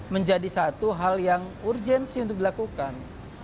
menjadi satu hal yang urgensi untuk dilakukan